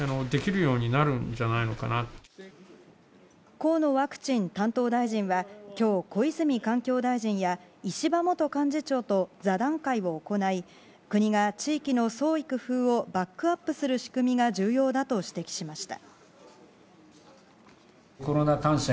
河野ワクチン担当大臣は今日小泉環境大臣や石破元幹事長と座談会を行い国が地域の創意工夫をバックアップする仕組みが重要だと指摘しました。